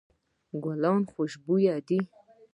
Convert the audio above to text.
ګلونه خوشبوي دي.